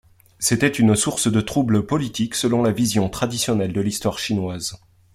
C'était une source de troubles politiques selon la vision traditionnelle de l'histoire chinoise.